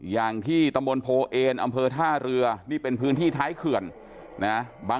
อย่างที่ตำบลโพเอนอำเภอท่าเรือนี่เป็นพื้นที่ท้ายเขื่อนนะ